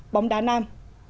bóng đá nam